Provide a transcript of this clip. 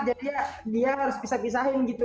jadi dia harus pisah pisahin gitu